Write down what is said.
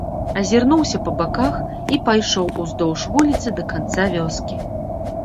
Азірнуўся па баках і пайшоў уздоўж вуліцы да канца вёскі.